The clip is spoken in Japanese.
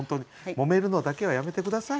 もめるのだけはやめて下さい。